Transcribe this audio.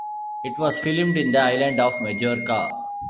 It was filmed in the island of Majorca.